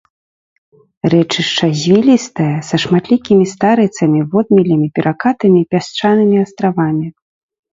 Рэчышча звілістае, са шматлікімі старыцамі, водмелямі, перакатамі і пясчанымі астравамі.